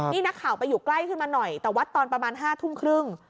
นี่นักข่าวไปอยู่ใกล้ขึ้นมาหน่อยแต่วัดตอนประมาณ๕ทุ่มครึ่ง